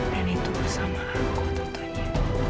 dan itu bersama aku tentunya